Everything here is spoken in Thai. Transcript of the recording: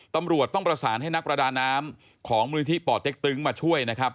และนักประดานน้ำของมื้อนิฐีเป่าติ๊กตึ้งมาช่วย